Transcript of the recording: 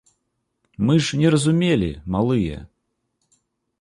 Мы ж не разумелі, малыя.